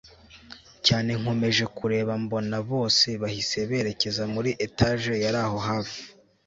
cyane nkomeje kureba mbona bose bahise berekeza muri etage yaraho hafi